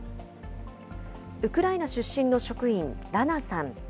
ウクライナ出身の職員、ラナさん。